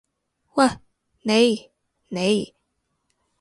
喂，你！你！